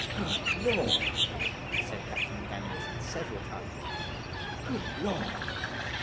"'Good lord!' said Captain Gannington several times. 'Good lord!